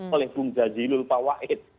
oleh bung zazilul pak waid